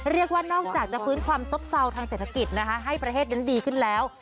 เรียกว่านอกจากจะฟื้นความซอบเศรษฐกิจให้ประเทศยังดีขึ้นแล้ว